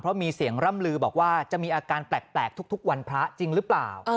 เพราะมีเสียงร่ำลือบอกว่าจะมีอาการแปลกทุกวันพระจริงหรือเปล่า